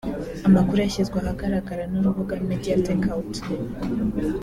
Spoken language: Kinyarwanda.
Amakuru yashyizwe ahagaragara n’urubuga MediatakeOut